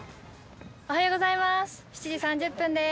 おはようございます。